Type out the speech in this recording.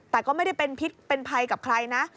แต่ก็ไม่ได้เป็นพิษเป็นภัยกับใครนะ